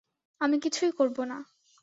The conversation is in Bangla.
আমি কিছুই করব না।